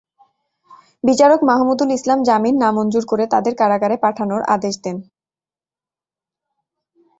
বিচারক মাহমুদুল ইসলাম জামিন নামঞ্জুর করে তাঁদের কারাগারে পাঠানোর আদেশ দেন।